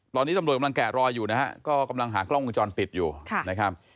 ตอนนี้ตำรวจกำลังแกะรอยอยู่นะฮะก็กำลังหากล้องวงจรปิดอยู่นะครับ